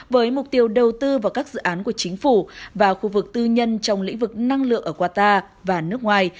với mục tiêu đầu tư vào các dự án của chính phủ và khu vực tư nhân trong lĩnh vực năng lượng ở qatar và nước ngoài